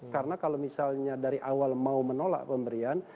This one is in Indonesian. karena kalau misalnya dari awal mau menolak pemberian